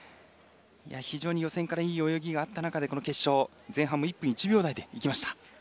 非常に予選からいい泳ぎがあった中でこの決勝、前半も１分１秒台でいきました。